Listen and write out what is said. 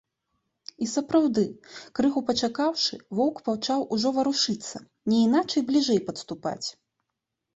І, сапраўды, крыху пачакаўшы, воўк пачаў ужо варушыцца, няйначай бліжэй падступаць.